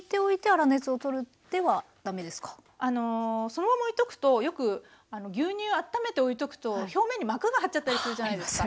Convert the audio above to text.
そのままおいとくとよく牛乳温めておいとくと表面に膜が張っちゃったりするじゃないですか。